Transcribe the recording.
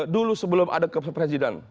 dulu sebelum ada kepresiden